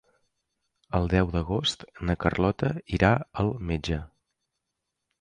El deu d'agost na Carlota irà al metge.